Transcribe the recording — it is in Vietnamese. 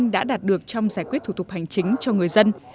đã đạt được trong giải quyết thủ tục hành chính cho người dân